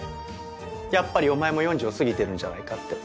やっぱりお前も４０を過ぎてるんじゃないかって？